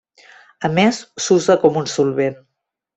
A més s'usa com un solvent.